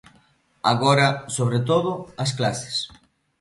Agora, sobre todo, as clases.